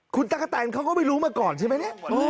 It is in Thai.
คุณตั๊กกะแทนเขาก็ไม่รู้ก่อนนะ